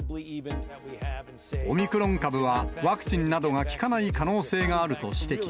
オミクロン株は、ワクチンなどが効かない可能性があると指摘。